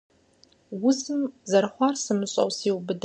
Узым, зэрыхъуар сымыщӀэу, сиубыдащ.